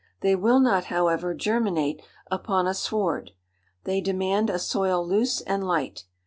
They will not, however, germinate upon a sward: they demand a soil loose and light.